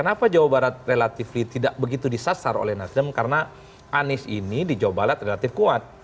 kenapa jawa barat relatif tidak begitu disasar oleh nasdem karena anies ini di jawa barat relatif kuat